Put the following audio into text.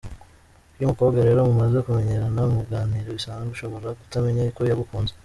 Iyo umukobwa rero mumaze kumenyerana, muganira bisanzwe, ushobora kutamenya ko yagukunze.